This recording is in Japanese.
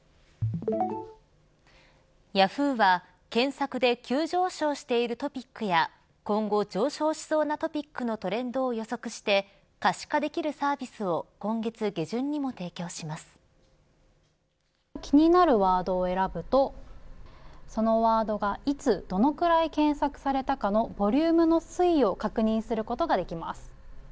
ヤフーは検索で急上昇しているトピックや今後上昇しそうなトピックのトレンドを予測して可視化できるサービスを気になるワードを選ぶとそのワードがいつ、どのくらい検索されたかのボリュームの推移を確認することができます。